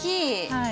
はい。